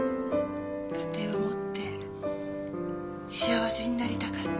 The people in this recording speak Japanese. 家庭を持って幸せになりたかった。